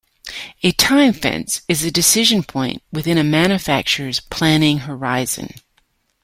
A time fence is a decision point within a manufacturer's planning horizon.